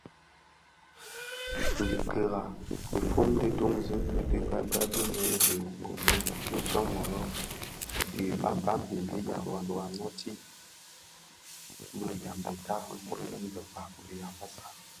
Dia kira, dhifon di duňzi di bë bènèn, dhi bë Omën, dhisōmoro dyi lè babimbi Yaoundo a nōōti (bi Yambeta, Ponèkn Bekpag dhi Yambassa).